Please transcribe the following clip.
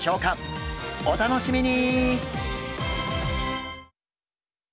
お楽しみに！